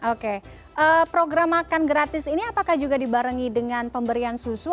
oke program makan gratis ini apakah juga dibarengi dengan pemberian susu